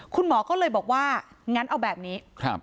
คุณหมอก็เลยบอกว่างั้นเอาแบบนี้